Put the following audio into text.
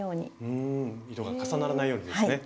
うん糸が重ならないようにですね。